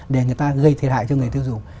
để người ta gây thiệt hại cho người tiêu dùng